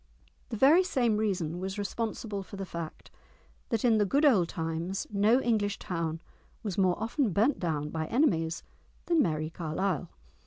The very same reason was responsible for the fact that in the good old times no English town was more often burnt down by enemies than "Merrie Carlisle."